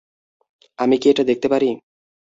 আমি কি এটা দেখতে পারি?